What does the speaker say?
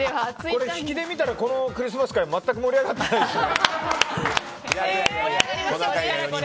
引きで見たら、このクリスマス会全く盛り上がってないですよね。